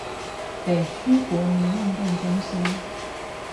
北區國民運動中心